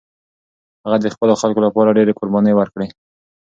هغه د خپلو خلکو لپاره ډېرې قربانۍ ورکړې.